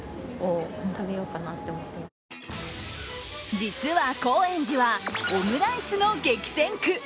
実は、高円寺はオムライスの激戦区。